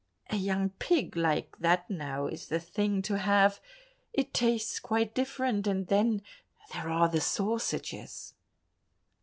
A young pig like that now is the thing to have, it tastes quite different; and then there are the sausages!"